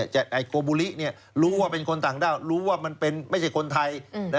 โกบุริรู้ว่าเป็นคนต่างด้าวรู้ว่ามันเป็นไม่ใช่คนไทย